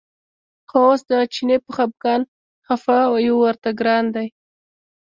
خو اوس د چیني په خپګان خپه یو ورته ګران دی.